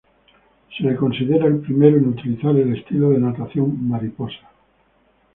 Se le considera el primero en utilizar el estilo de natación "mariposa".